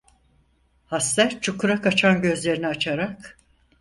Hasta, çukura kaçan gözlerini açarak: